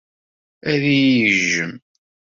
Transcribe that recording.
Ad iyi-yejjem.